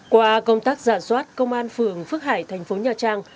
qua công tác giả soát công an phường phước hải thành phố nhà trang